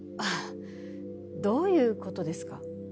どういう事ですか？